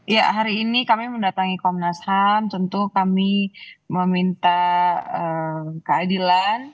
ya hari ini kami mendatangi komnas ham tentu kami meminta keadilan